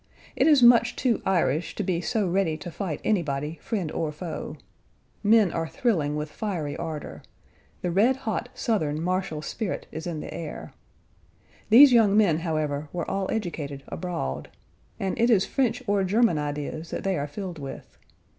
It is much too Irish to be so ready to fight anybody, friend or foe. Men are thrilling with fiery ardor. The red hot Southern martial spirit is in the air. These young men, however, were all educated abroad. And it is French or German ideas that they are filled with.